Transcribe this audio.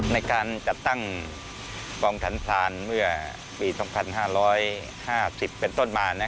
ในการจัดตั้งกองฐานพรานเมื่อปี๒๕๕๐เป็นต้นมา